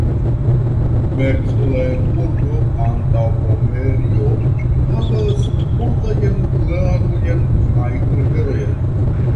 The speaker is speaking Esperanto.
Meklenburgo-Antaŭpomerio havas multajn lagojn kaj riverojn.